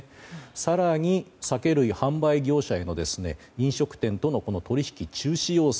更に、酒類販売業者への飲食店との取引中止要請